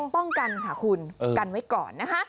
ป้องกันค่ะคุณกันไว้ก่อนนะคะ